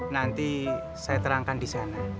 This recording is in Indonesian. nanti saya terangkan di sana